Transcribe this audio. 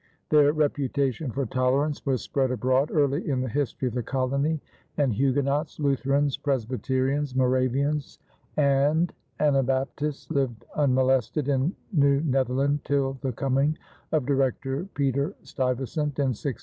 Their reputation for tolerance was spread abroad early in the history of the colony, and Huguenots, Lutherans, Presbyterians, Moravians, and Anabaptists lived unmolested in New Netherland till the coming of Director Peter Stuyvesant in 1647.